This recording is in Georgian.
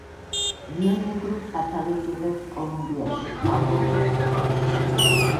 რიო-ნეგრო სათავეს იღებს კოლუმბიაში, ანდების მთებში.